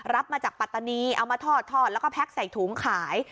รับมาจากปัตตานีเอามาทอดแล้วก็แพ็กใส่ถุงขาย